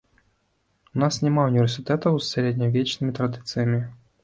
У нас няма ўніверсітэтаў з сярэднявечнымі традыцыямі.